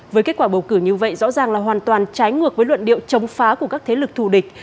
với kết quả bầu cử như vậy rõ ràng là hoàn toàn trái ngược với luận điệu chống phá của các thế lực thù địch